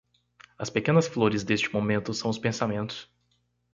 As pequenas flores deste momento são os pensamentos.